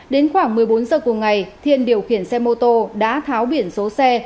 đến khoảng một mươi bốn giờ cùng ngày thiên điều khiển xe mô tô đã tháo biển số xe